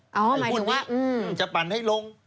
อ๋อหมายถึงว่าอืมหุ้นนี้จะปั่นให้ลง